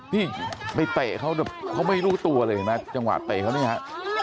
นี่ไปเตะเขาแบบเขาไม่รู้ตัวเลยเห็นไหมจังหวะเตะเขาเนี่ยฮะ